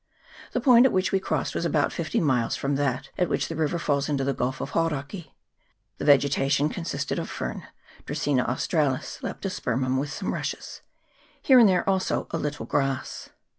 The point at which we crossed was about fifty miles from that at which the river falls into the Gulf of Hauraki. The vegeta tion consisted of fern, Dracaena australis, Lepto spermum, with some rushes ; here and there also a little grass.